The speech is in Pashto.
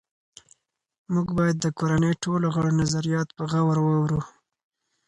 موږ باید د کورنۍ ټولو غړو نظریات په غور واورو